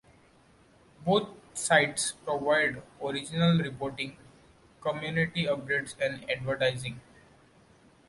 Both sites provide original reporting, community updates and advertising.